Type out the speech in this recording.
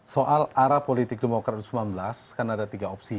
soal arah politik demokrat dua ribu sembilan belas kan ada tiga opsi